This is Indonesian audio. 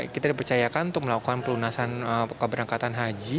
kita dipercayakan untuk melakukan pelunasan keberangkatan haji